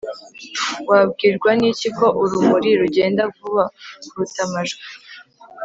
wabwirwa n'iki ko urumuri rugenda vuba kuruta amajwi